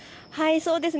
そうですね。